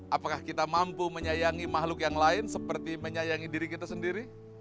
apakah kita mampu menyayangi makhluk yang lain seperti menyayangi diri kita sendiri